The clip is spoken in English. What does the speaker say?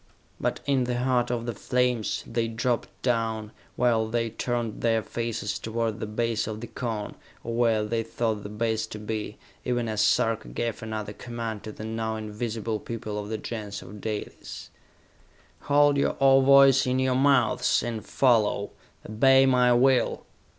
But in the heart of the flames, they dropped down, while they turned their faces toward the base of the Cone, or where they thought the base to be, even as Sarka gave another command to the now invisible people of the Gens of Dalis. "Hold your ovoids in your mouths and follow! Obey my will!"